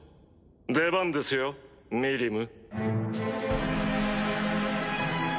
出番ですよミリム。